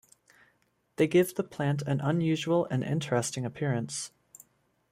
They give the plant an unusual and interesting appearance.